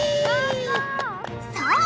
そう！